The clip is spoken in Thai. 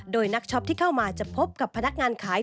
โดยนักช็อปที่เข้ามาจะพบกับพนักงานขาย